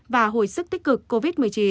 và hồi sức tích cực covid một mươi chín